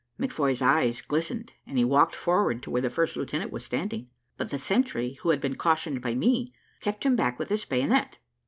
McFoy's eyes glistened, and he walked forward to where the first lieutenant was standing: but the sentry, who had been cautioned by me, kept him back with his bayonet.